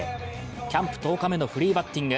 キャンプ１０日目のフリーバッティング。